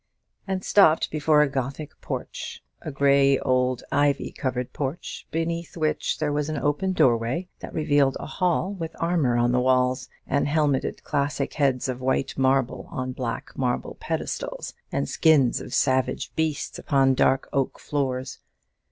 and stopped before a Gothic porch, a grey old ivy covered porch, beneath which there was an open doorway that revealed a hall with armour on the walls, and helmed classic heads of white marble on black marble pedestals, and skins of savage beasts upon dark oak floors.